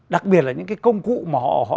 đặc biệt là những cái công cụ mà họ